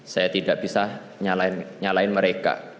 saya tidak bisa nyalain mereka